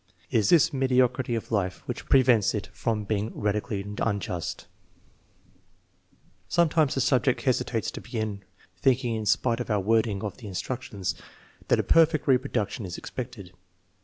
} \It is this^ mediocrity of life which prevents it from being radicallyuhjusi* SUPERIOR ADULT, 4 341 Sometimes the subject hesitates to begin, thinking, in spite of our wording of the instructions, that a perfect re production is expected.